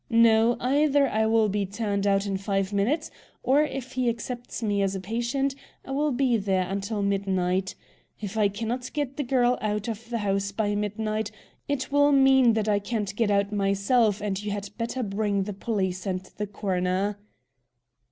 No; either I will be turned out in five minutes, or if he accepts me as a patient I will be there until midnight. If I cannot get the girl out of the house by midnight, it will mean that I can't get out myself, and you had better bring the police and the coroner."